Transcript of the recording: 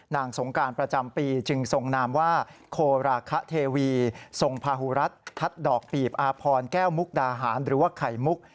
สงการประจำปีจึงทรงนามว่าโคราคเทวีทรงพาหุรัฐทัศน์ดอกปีบอาพรแก้วมุกดาหารหรือว่าไข่มุก